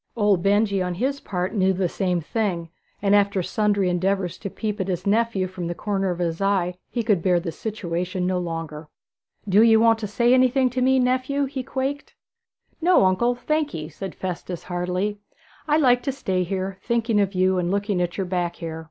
Old Benjy on his part knew the same thing, and after sundry endeavours to peep at his nephew from the corner of his eye, he could bear the situation no longer. 'Do ye want to say anything to me, nephew?' he quaked. 'No, uncle, thank ye,' said Festus heartily. 'I like to stay here, thinking of you and looking at your back hair.'